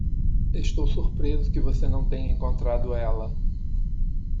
Estou surpreso que você não tenha encontrado ela.